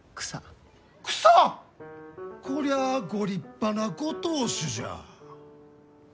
こりゃあご立派なご当主じゃ。